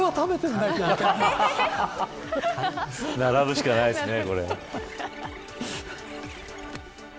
並ぶしかないですね。